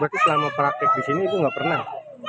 berarti selama praktik di sini ibu nggak pernah